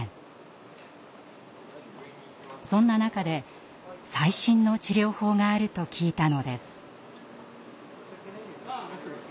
そんな中で最新の治療法があると聞いたのです。